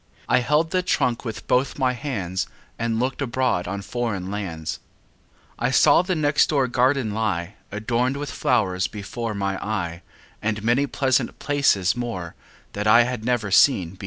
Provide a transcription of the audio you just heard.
I held the trunk with both my hands And looked abroad in foreign lands. I saw the next door garden lie, Adorned with flowers, before my eye, And many pleasant places more That I had never seen before.